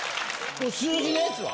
数字のやつは？